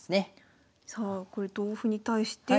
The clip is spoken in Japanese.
さあこれ同歩に対して。